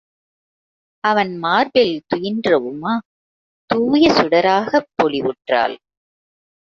அவன் மார்பில் துயின்ற உமா தூய சுடராகப் பொலிவுற்றாள்!!